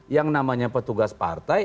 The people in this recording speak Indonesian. yang namanya petugas partai